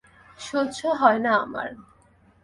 সহ্য হয় না আমার।